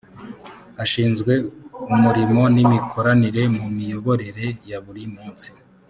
ashinzwe umurimo n’’imikoranire mu miyoborere ya buri munsi